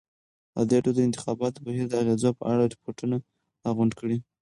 ازادي راډیو د د انتخاباتو بهیر د اغېزو په اړه ریپوټونه راغونډ کړي.